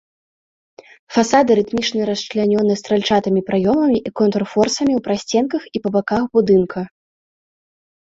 Фасады рытмічна расчлянёны стральчатымі праёмамі і контрфорсамі ў прасценках і па баках будынка.